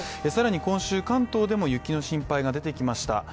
更に今週、関東でも雪の心配が出てきました。